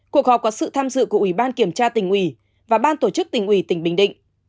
cuộc họp có sự tham dự của ủy ban kiểm tra tỉnh ủy và ban tổ chức tỉnh ủy tỉnh bình định